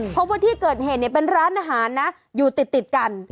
เพราะว่าที่เกิดเหตุเป็นร้านอาหารนะอยู่ติดกัน